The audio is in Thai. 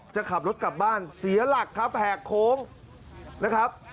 จะขับรถกลับบ้านเสียหลักครับแหกโค้งนะครับ